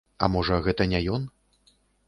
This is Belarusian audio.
А можа, гэта не ён?